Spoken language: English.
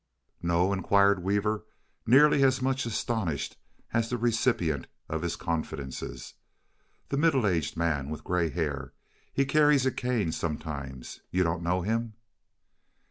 "No?" inquired Weaver, nearly as much astonished as the recipient of his confidences. "The middle aged man, with gray hair. He carries a cane sometimes. You don't know him?"